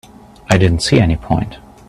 I didn't see any point.